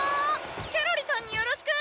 ケロリさんによろしく！